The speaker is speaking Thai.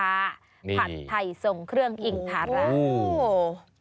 ผัดไทยทรงเครื่องอิ่งทาระ